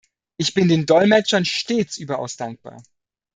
Ich bin den Dolmetschern stets überaus dankbar.